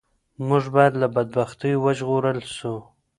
موږ باید له بدبختیو وژغورل سو.